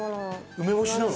梅干しなの？